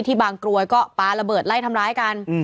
บางกรวยก็ปลาระเบิดไล่ทำร้ายกัน